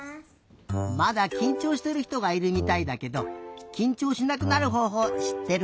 まだきんちょうしてるひとがいるみたいだけどきんちょうしなくなるほうほうしってる？